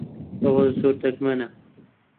ئەوە زۆر دەگمەنە.